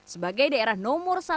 sebagai daerah nomor satu